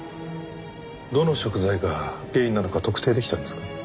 どの食材が原因なのか特定できたんですか？